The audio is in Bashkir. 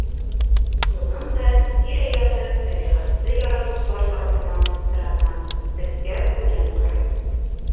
Уның да тирә-яғы «тәбиғәтте яратыусылар» тарафынан бысрана, сәскә-үлән ҡорой.